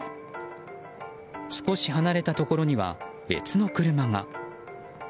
少し離れたところには、別の車が。